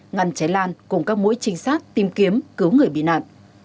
ngăn cháy lan cùng các mũi trinh sát tìm kiếm cứu người bị nạn